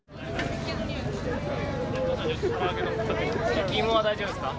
焼き芋は大丈夫ですか？